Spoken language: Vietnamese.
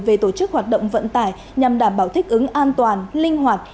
về tổ chức hoạt động vận tải nhằm đảm bảo thích ứng an toàn linh hoạt